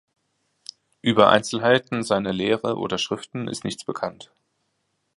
Über Einzelheiten seiner Lehre oder Schriften ist nichts bekannt.